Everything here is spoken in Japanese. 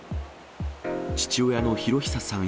父親の裕久さん